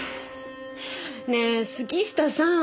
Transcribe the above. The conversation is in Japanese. ねえ杉下さん！